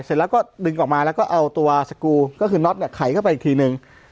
เสร็จแล้วก็ดึงออกมาแล้วก็เอาตัวสกูลก็คือน็อตเนี่ยไขเข้าไปอีกทีนึง